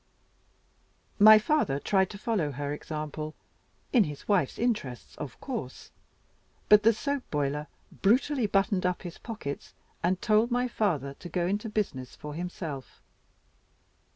My father tried to follow her example in his wife's interests, of course; but the soap boiler brutally buttoned up his pockets, and told my father to go into business for himself.